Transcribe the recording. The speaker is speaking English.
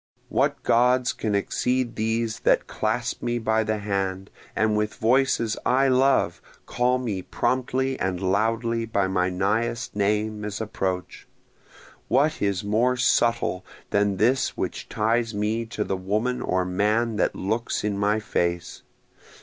What gods can exceed these that clasp me by the hand, and with voices I love call me promptly and loudly by my nighest name as approach? What is more subtle than this which ties me to the woman or man that looks in my face?